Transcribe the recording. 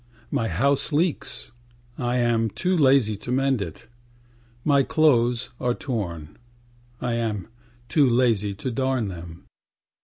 My house leaks; I am too lazy to mend it. My clothes are torn; I am too lazy to darn them.